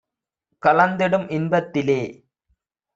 கலந்திடும் இன்பத் திலே.